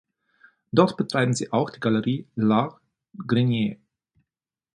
Dort betreiben sie auch die Galerie „L’art grenier“.